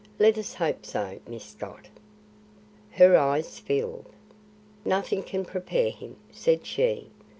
Let us hope so, Miss Scott." Her eyes filled. "Nothing can prepare him," said she.